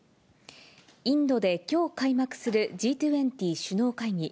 インドできょう開幕するＧ２０首脳会議。